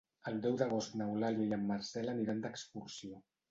El deu d'agost n'Eulàlia i en Marcel aniran d'excursió.